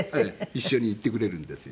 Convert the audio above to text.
一緒に行ってくれるんですよ。